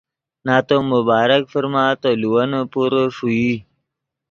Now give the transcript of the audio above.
نتو مبارک فرما تو لیوینے پورے ݰوئی